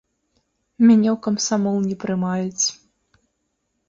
Мяне ў камсамол не прымаюць.